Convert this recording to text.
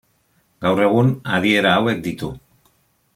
Gaur egun, adiera hauek ditu.